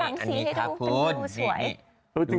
นี่นี่นี่ครับพูน